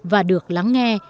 và được lắng nghe